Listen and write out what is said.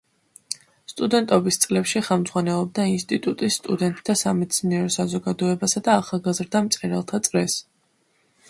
სტუდენტობის წლებში ხელმძღვანელობდა ინსტიტუტის სტუდენტთა სამეცნიერო საზოგადოებასა და ახალგაზრდა მწერალთა წრეს.